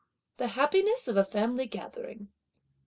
The happiness of a family gathering.